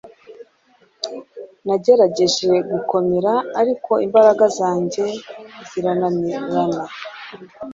nagerageje gukomera, ariko imbaraga zanjye zirananirana